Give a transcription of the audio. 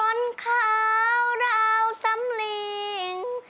คนขาวราวซ้ำลิง